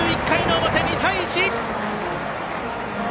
１１回の表、２対１！